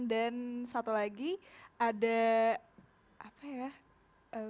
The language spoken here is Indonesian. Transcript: dan satu lagi ada apa ya